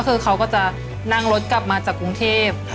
คือเขาก็จะนั่งรถกลับมาจากกรุงเทพ